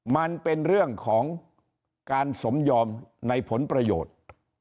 มันเป็นเรื่องของการสมยอมในผลประโยชน์